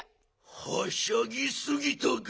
はしゃぎすぎたガン。